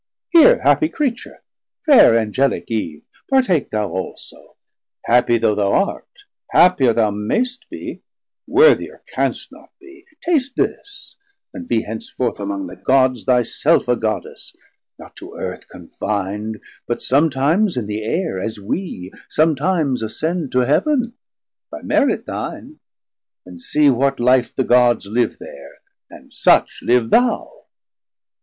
Here, happie Creature, fair Angelic Eve, Partake thou also; happie though thou art, Happier thou mayst be, worthier canst not be: Taste this, and be henceforth among the Gods Thy self a Goddess, not to Earth confind, But somtimes in the Air, as wee, somtimes Ascend to Heav'n, by merit thine, and see 80 What life the Gods live there, and such live thou.